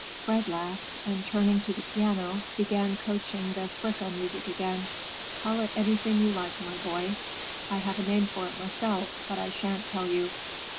Fred laughed, and turning to the piano began coaxing the Fricka music again. "Call it anything you like, my boy. I have a name for it myself, but I shan't tell you."